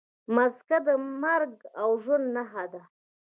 مځکه د مرګ او ژوند نښه ده.